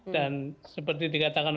dan seperti dikatakan oleh tiga teman kita